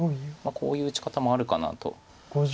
こういう打ち方もあるかなと。